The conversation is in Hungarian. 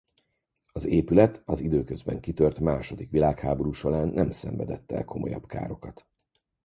Az épület az időközben kitört második világháború során nem szenvedett el komolyabb károkat.